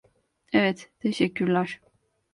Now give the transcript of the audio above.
Evet, teşekkürler.